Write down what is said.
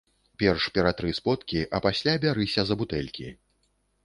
Перш ператры сподкі, а пасля бярыся за бутэлькі.